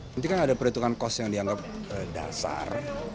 nanti kan ada perhitungan kos yang dianggap dasar